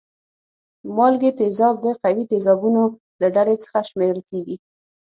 مالګې تیزاب د قوي تیزابونو له ډلې څخه شمیرل کیږي.